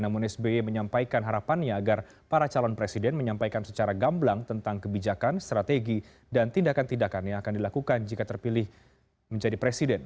namun sby menyampaikan harapannya agar para calon presiden menyampaikan secara gamblang tentang kebijakan strategi dan tindakan tindakan yang akan dilakukan jika terpilih menjadi presiden